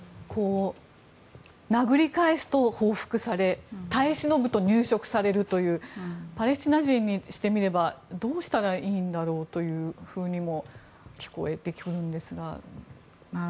殴り返すと報復され耐え忍ぶと入植されるというパレスチナ人にしてみればどうしたらいいんだろうとも聞こえてくるんですが。